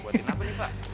buatin apa nih pak